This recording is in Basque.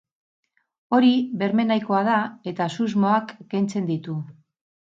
Hori berme nahikoa da eta susmoak kentzen ditu.